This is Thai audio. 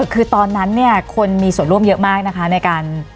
คือตอนนั้นเนี่ยคนมีส่วนร่วมเยอะมากนะคะในการ